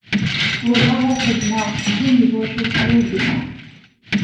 wallah ar ḥezneɣ, zun deg twacult-iw i yella.